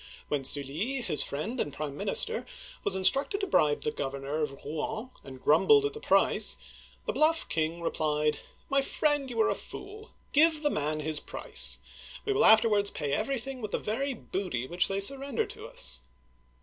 When Sully, his friend and prime minister, was instructed to bribe the governor of Rouen, and grumbled at the price, the bluff king re plied :" My friend, you are a fool. Give the man his price. We will afterwards pay everything with the very booty which they surrender to us